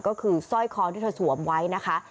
ก็คือสร้อยคอที่เธอสวมไว้นะคะ